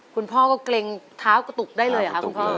คุณพ่อก็เกร็งเท้ากระตุกได้เลยเหรอคะคุณพ่อ